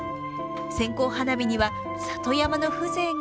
線香花火には里山の風情が似合います。